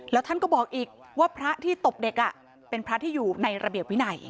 แล้วท่านก็บอกอีกว่าพระที่ตบเด็กเป็นพระที่อยู่ในระเบียบวินัย